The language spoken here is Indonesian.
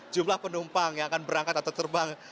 jumlah penumpang yang akan berangkat atau terbang